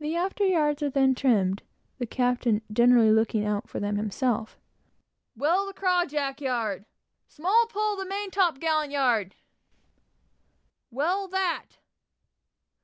The after yards are then trimmed, the captain generally looking out for them himself. "Well the cross jack yard!" "Small pull the main top gallant yard!" "Well that!"